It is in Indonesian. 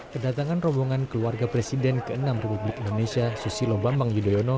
kedatangan rombongan keluarga presiden ke enam republik indonesia susilo bambang yudhoyono